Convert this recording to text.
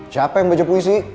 siapa yang baca puisi